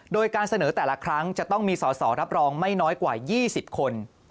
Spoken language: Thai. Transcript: โดยการเสนอแต่ละครั้งจะต้องมีสอสอรับรองไม่น้อยกว่า๒๐คน